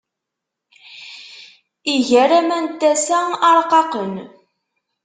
Iger aman n tasa aṛqaqen.